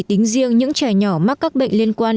tính riêng những trẻ nhỏ mắc các bệnh liên quan